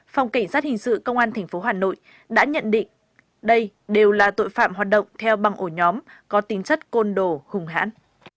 phòng cảnh sát hình sự công an tp hà nội đã nhận định đây đều là tội phạm hoạt động theo băng ổ nhóm có tính chất côn đồ hùng hãn